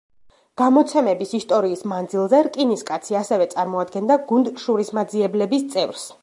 გამოცემების ისტორიის მანძილზე რკინის კაცი ასევე წარმოადგენდა გუნდ „შურისმაძიებლების“ წევრს.